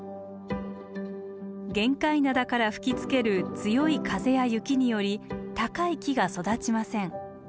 玄界灘から吹きつける強い風や雪により高い木が育ちません。